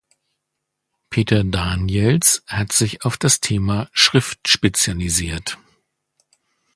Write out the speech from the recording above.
Peter Daniels hat sich auf das Thema Schrift spezialisiert.